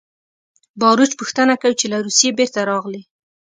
باروچ پوښتنه کوي چې له روسیې بېرته راغلې